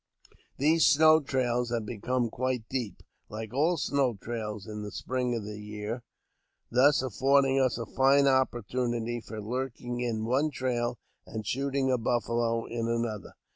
These snow trails had become quite deep — like all snow trails in the spring of the year — thus affording us a fine opportunity for lurking in one trail, and shooting a buffalo in another.